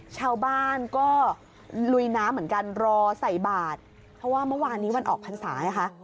ชาวบ้านก็ลุยน้ำเหมือนกันรอใส่บาทเพราะว่าเมื่อวานนี้วันออกพรรษาไงคะ